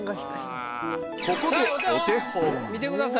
ここでお手本。